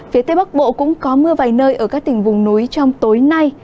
phía tây bắc bộ cũng có mưa vài nơi ở các tỉnh vùng núi trong tối nay